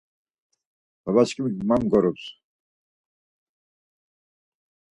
Babaçkimik man mgorups.